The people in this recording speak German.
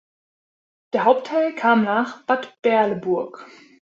Der Hauptteil kam nach Bad Berleburg.